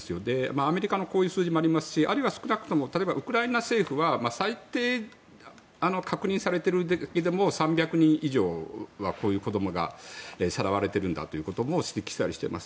アメリカのこういう数字もありますしあるいは少なくとも例えば、ウクライナ政府は最低、確認されているだけでも３００人以上はこういう子どもがさらわれているんだということも指摘したりしています。